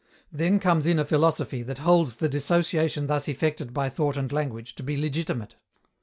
Then comes in a philosophy that holds the dissociation thus effected by thought and language to be legitimate.